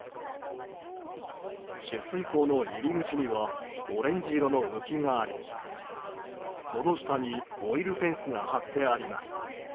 取水口の入り口にはオレンジ色の浮きがありこの下にオイルフェンスが張ってあります。